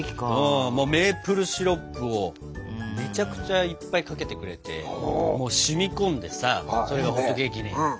メープルシロップをめちゃくちゃいっぱいかけてくれてもう染み込んでさそれがホットケーキに。